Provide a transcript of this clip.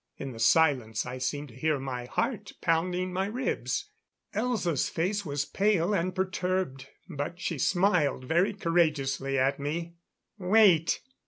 In the silence I seemed to hear my heart pounding my ribs. Elza's face was pale and perturbed, but she smiled very courageously at me. "Wait!"